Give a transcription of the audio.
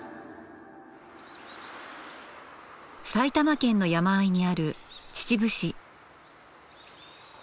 埼玉県の山あいにある秩父市。